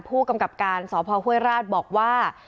ผู้กำกับการสพห้วยราชบอกว่า